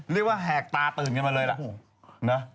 เรียกว่าแห่กตาตื่นกันมาเลยล่ะ